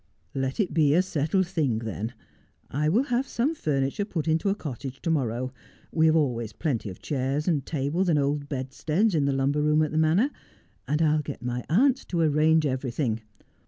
' Let it be a settled thing, then. I will have some furniture put into a cottage to morrow — we have always plenty of chairs and tables and old bedsteads in the lumber room at the manor, — and I will get my aunt to arrange everything.